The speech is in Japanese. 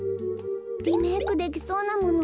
リメークできそうなもの